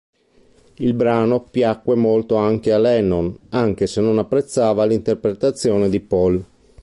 Il brano piacque molto anche a Lennon, anche se non apprezzava l'interpretazione di Paul.